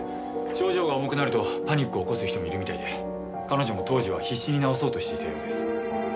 症状が重くなるとパニックを起こす人もいるみたいで彼女も当時は必死に治そうとしていたようです。